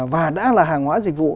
và đã là hàng hóa dịch vụ